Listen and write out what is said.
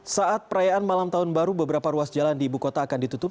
saat perayaan malam tahun baru beberapa ruas jalan di ibu kota akan ditutup